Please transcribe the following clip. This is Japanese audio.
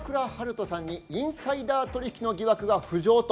人さんにインサイダー取引の疑惑が浮上と。